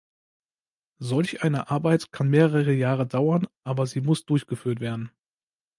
Solch eine Arbeit kann mehrere Jahre dauern, aber sie muss durchgeführt werden.